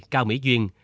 cao mỹ duyên